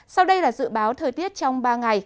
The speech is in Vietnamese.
sau đây là dự báo thời tiết trong ba ngày